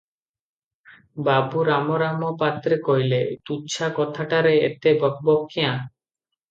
ବାବୁ ରାମରାମ ପାତ୍ରେ କହିଲେ- ତୁଚ୍ଛା କଥାଟାରେ ଏତେ ବକ୍ ବକ୍ କ୍ୟାଁ?